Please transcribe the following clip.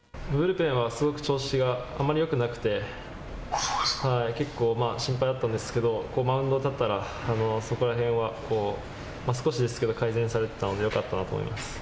ブルペンはすごく調子があまりよくなくて結構心配だったんですけどマウンドに立ったらそこら辺は少しですけど改善されてたのでよかったなと思います。